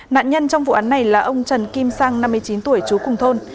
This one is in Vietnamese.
nạn nhân trong vụ án này là ông trần kim sang năm mươi chín tuổi chú cùng thôn